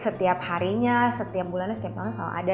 setiap harinya setiap bulannya setiap tahun selalu ada